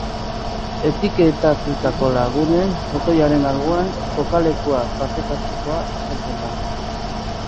Etiketatutako lagunen botoiaren alboan, kokalekua partekatzekoa azaltzen da.